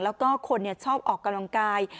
แล้วก็คนชอบออกกำลังกาย